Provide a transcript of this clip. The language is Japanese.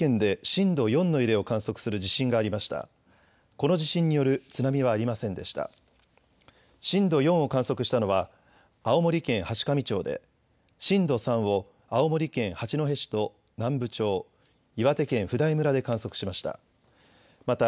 震度４を観測したのは、青森県階上町で、震度３を青森県八戸市と南部町、岩手県普代村で観測しました。